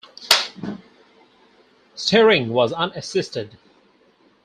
Steering was unassisted.